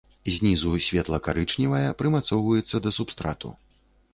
Знізу светла-карычневая, прымацоўваецца да субстрату.